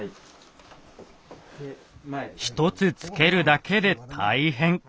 １つつけるだけで大変。